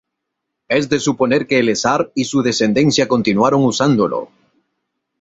Es de suponer que Elessar y su descendencia continuaron usándolo.